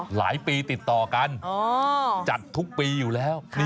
หลายปีติดต่อกันจัดทุกปีอยู่แล้ว